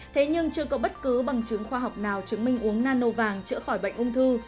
thế nhưng chưa có bất cứ bằng chứng khoa học nào chứng minh uống nano vàng chữa khỏi bệnh ung thư